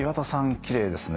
きれいですね。